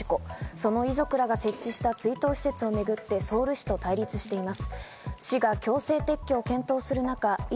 その遺族らが設置した追悼施設をめぐってソウル市と対立しています。